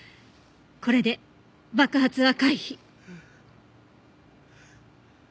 これで爆発は回避。